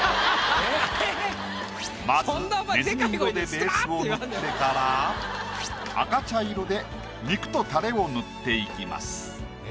まずねずみ色でベースを塗ってから赤茶色で肉とタレを塗っていきます。